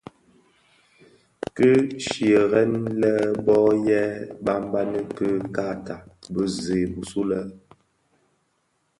Kè shyeren lè bō yè banbani bë kaata bë zi bisulè.